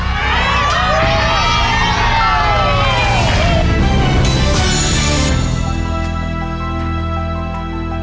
สวัสดีครับ